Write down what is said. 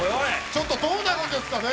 ちょっとどうなるんですかね？